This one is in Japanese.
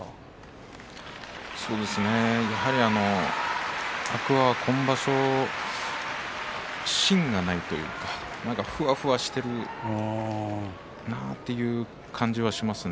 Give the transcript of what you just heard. やはり天空海は今場所芯がないというかふわふわしているなという感じがしますね。